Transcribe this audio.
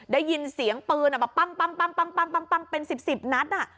ได้ยินเสียงปืนแบบปั๊มเป็นสิบนัด